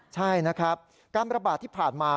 ใช่นะครับการระบาดที่ผ่านมา